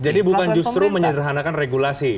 jadi bukan justru menyerahanakan regulasi